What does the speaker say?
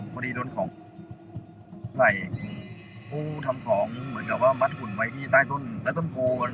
พอดีโดนของใส่ผู้ทำของเหมือนกับว่ามัดหุ่นไว้ที่ใต้ต้นใต้ต้นโพ